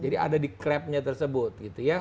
jadi ada di klepnya tersebut gitu ya